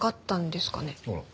あら。